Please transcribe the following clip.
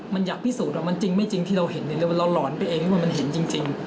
มันอยากพิสูจน์ว่ามันจริงไม่จริงที่เราเห็นเราหลอนไปเองที่ว่ามันเห็นจริง